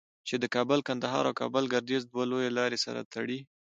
چې د کابل قندهار او کابل گردیز دوه لویې لارې سره تړي.